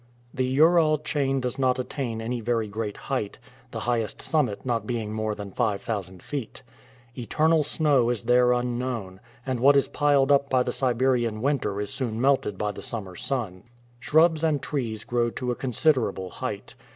The Ural chain does not attain any very great height, the highest summit not being more than five thousand feet. Eternal snow is there unknown, and what is piled up by the Siberian winter is soon melted by the summer sun. Shrubs and trees grow to a considerable height.